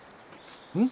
うん？